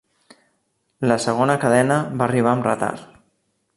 La segona cadena va arribar amb retard.